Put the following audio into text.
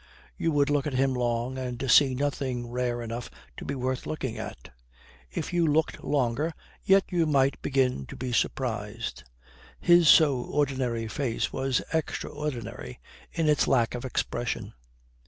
You would look at him long and see nothing rare enough to be worth looking at. If you looked longer yet you might begin to be surprised: his so ordinary face was extraordinary in its lack of expression.